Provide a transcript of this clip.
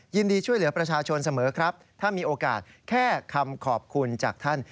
ยินดีช่วยเหลือประชาชนเสมอครับถ้ามีโอกาสแค่คำขอบคุณจากท่าน